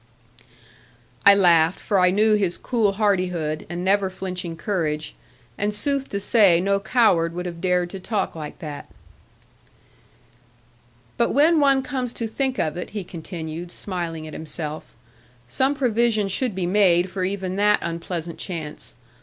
I laughed, for I knew his cool hardihood, and never flinching courage; and sooth to say no coward would have dared to talk like that. 'But when one comes to think of it,' he continued, smiling at himself; 'some provision should be made for even that unpleasant chance.